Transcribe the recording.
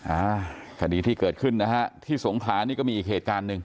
อ่าคดีที่เกิดขึ้นนะฮะที่สงขลานี่ก็มีอีกเหตุการณ์หนึ่ง